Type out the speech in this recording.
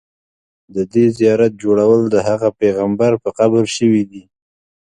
د دې زیارت جوړول د هغه پیغمبر په قبر شوي دي.